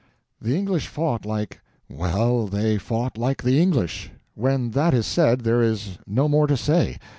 The English fought like—well, they fought like the English; when that is said, there is no more to say.